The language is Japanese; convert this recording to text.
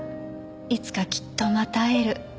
いつかきっとまた会える。